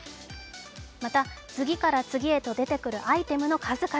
また次から次へと出てくるアイテムの数々。